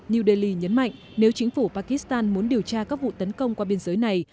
new delhi nhấn mạnh nếu chính phủ pakistan muốn điều tra các vụ tấn công qua biên giới này